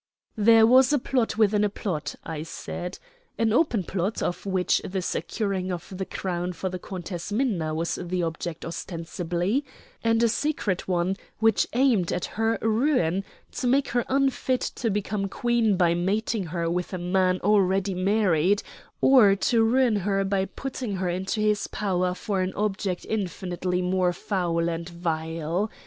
"There was a plot within a plot," I said "an open plot, of which the securing of the crown for the Countess Minna was the object ostensibly; and a secret one, which aimed at her ruin, to make her unfit to become Queen by mating her with a man already married, or to ruin her by putting her into his power for an object infinitely more foul and vile.